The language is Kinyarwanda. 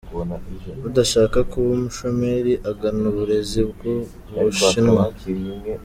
Udashaka kuba umushomeri agana uburezi bw’u Bushinwa.